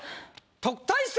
特待生